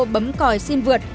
bấm còi xin vượt